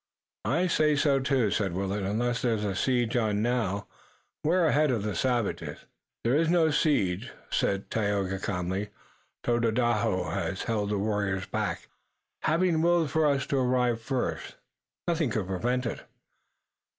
"I say so, too," said Willet. "Unless there's a siege on now, we're ahead of the savages." "There is no siege," said Tayoga calmly. "Tododaho has held the warriors back. Having willed for us to arrive first, nothing could prevent it."